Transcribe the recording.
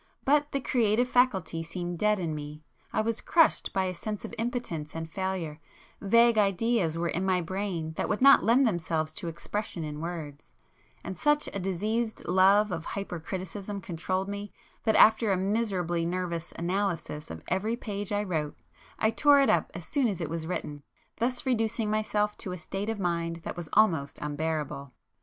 But the creative faculty seemed dead in me,—I was crushed by a sense of impotence and failure; vague ideas were in my brain that would not lend themselves to expression in words,—and such a diseased love of hypercriticism controlled me, that after a miserably nervous analysis of every page I wrote, I tore it up as soon as it was written, thus reducing myself to a state of mind that was almost unbearable.